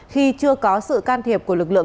khi chưa có sự can thiệp của lực lượng